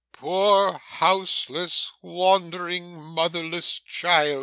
poor, houseless, wandering, motherless child!